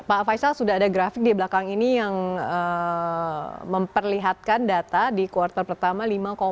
pak faisal sudah ada grafik di belakang ini yang memperlihatkan data di kuartal pertama lima